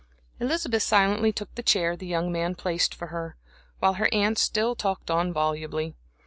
Elizabeth silently took the chair the young man placed for her, while her aunt still talked on volubly.